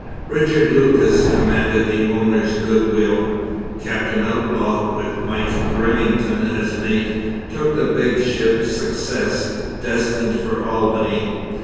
Richard Lucas commanded the Owner's Good Will. Captain Outlaw, with Mike Grimmington as mate, took the big ship Success, destined for Albany.